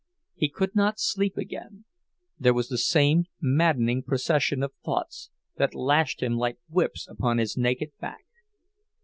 He could not sleep again; there was the same maddening procession of thoughts that lashed him like whips upon his naked back.